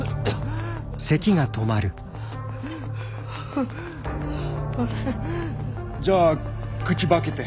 ああれ？じゃあ口ば開けて！